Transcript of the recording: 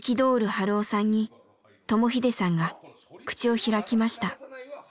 春雄さんに智英さんが口を開きました。